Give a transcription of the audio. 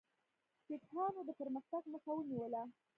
سیکهانو د پرمختګ مخه ونیوله.